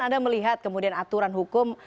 anda melihat kemudian aturan hukum